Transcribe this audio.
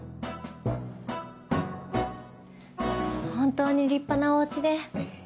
本当に立派なお家で。